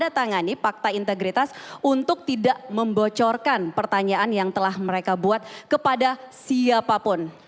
tanda tangani fakta integritas untuk tidak membocorkan pertanyaan yang telah mereka buat kepada siapapun